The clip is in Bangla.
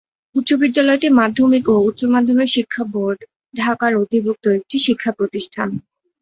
উচ্চ বিদ্যালয়টি মাধ্যমিক ও উচ্চ মাধ্যমিক শিক্ষা বোর্ড, ঢাকার অধিভূক্ত একটি শিক্ষাপ্রতিষ্ঠান।